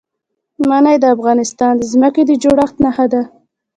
منی د افغانستان د ځمکې د جوړښت نښه ده.